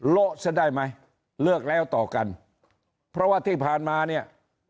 ละซะได้ไหมเลือกแล้วต่อกันเพราะว่าที่ผ่านมาเนี่ย